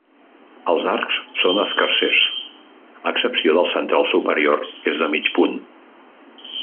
Els arcs són escarsers, a excepció del central superior que és de mig punt.